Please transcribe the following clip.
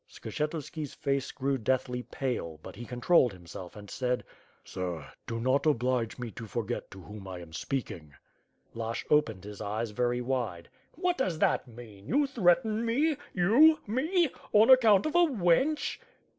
Skshetuski's face grew deathly pale, but he controlled him self, and said: "Sir, do not oblige me to forget to whom I am speaking." Lashch opened his eyes very wide. "What does that mean? You threaten me? You? Me? On account of a wench?"